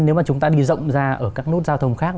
nếu mà chúng ta đi rộng ra ở các nút giao thông khác